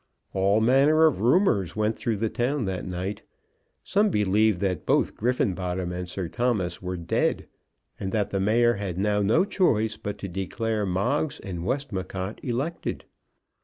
All manner of rumours went through the town that night. Some believed that both Griffenbottom and Sir Thomas were dead, and that the mayor had now no choice but to declare Moggs and Westmacott elected.